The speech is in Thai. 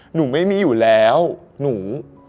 หนูไม่มีอยู่แล้วหนู